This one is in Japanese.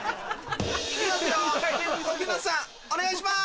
お願いします。